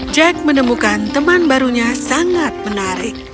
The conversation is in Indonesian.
jack menemukan teman barunya sangat menarik